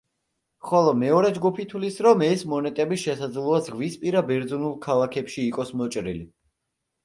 ხოლო მეორე ჯგუფი თვლის, რომ ეს მონეტები შესაძლოა ზღვისპირა ბერძნულ ქალაქებში იყოს მოჭრილი.